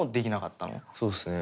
そうですね。